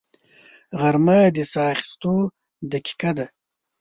غرمه د ساه اخیستو دقیقه ده